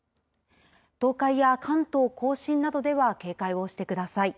東海や関東甲信などでは警戒をしてください。